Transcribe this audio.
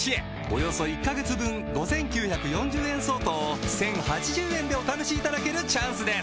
およそ１カ月分５９４０円相当を１０８０円でお試しいただけるチャンスです